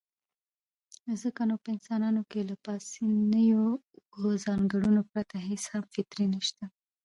ځکه نو په انسانانو کې له پاسنيو اووو ځانګړنو پرته هېڅ هم فطري نشته.